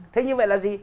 thế như vậy là gì